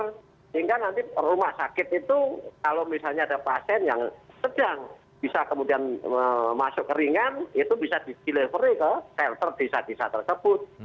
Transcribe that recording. sehingga nanti rumah sakit itu kalau misalnya ada pasien yang sedang bisa kemudian masuk ke ringan itu bisa di delivery ke shelter desa desa tersebut